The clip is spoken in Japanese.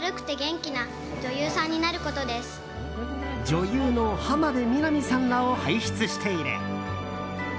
女優の浜辺美波さんらを輩出している。